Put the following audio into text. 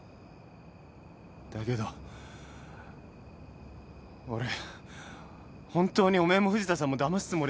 だけど俺本当におめえも藤田さんもだますつもりなんか。